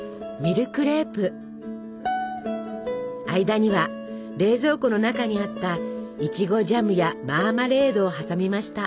間には冷蔵庫の中にあったいちごジャムやマーマレードを挟みました。